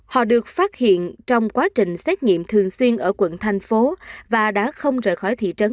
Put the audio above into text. họ được phát hiện trong quá trình xét nghiệm thường xuyên ở quận thành phố và đã không rời khỏi thị trấn